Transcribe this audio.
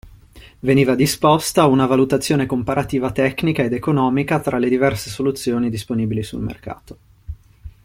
Veniva disposta, una valutazione comparativa tecnica ed economica tra le diverse soluzioni disponibili sul mercato.